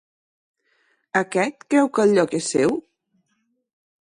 Aquest creu que el lloc és seu?